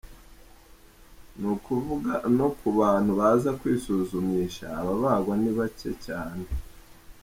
Ni ukuvuga no ku bantu baza kwisuzumisha ababagwa ni bacye cyane.